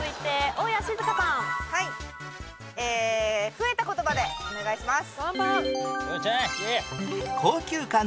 増えた言葉でお願いします。